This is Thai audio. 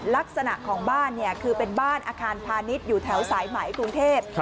ลักษณะของบ้านเนี่ยคือเป็นบ้านอาคารพาณิชย์อยู่แถวสายไหมกรุงเทพ